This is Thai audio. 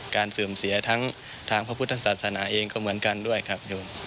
เสื่อมเสียทั้งทางพระพุทธศาสนาเองก็เหมือนกันด้วยครับ